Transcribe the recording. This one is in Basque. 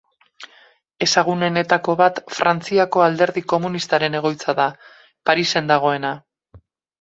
Ezagunenetako bat Frantziako Alderdi Komunistaren egoitza da, Parisen dagoena.